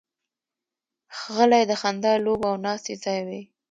غلۍ د خندا، لوبو او ناستې ځای وي.